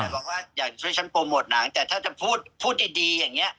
บอกว่าอยากช่วยฉันโปรโมทหนังแต่ถ้าจะพูดพูดดีอย่างนี้